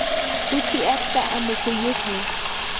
kuchi atska amukuyuqmi.